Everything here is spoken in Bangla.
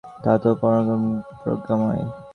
তুমি তো পরাক্রমশালী, প্রজ্ঞাময়।